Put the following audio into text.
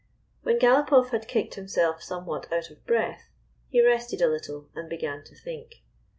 When Galopoff had kicked himself some what out of breath, he rested a little and began to think.